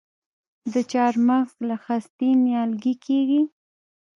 د چهارمغز له خستې نیالګی کیږي؟